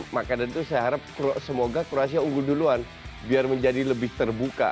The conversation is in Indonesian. maka dari itu saya harap semoga kroasia unggul duluan biar menjadi lebih terbuka